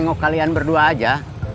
tengok kalian berdua aja